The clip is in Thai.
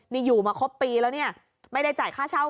นี่อยู่มาครบปีแล้วเนี่ยไม่ได้จ่ายค่าเช่า